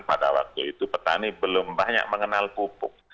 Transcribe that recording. pada waktu itu petani belum banyak mengenal pupuk